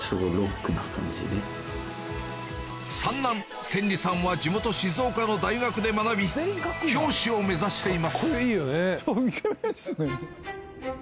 三男旋律さんは地元静岡の大学で学び教師を目指しています